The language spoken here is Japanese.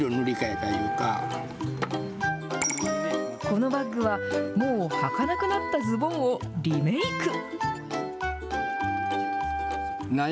このバッグは、もうはかなくなったズボンをリメイク。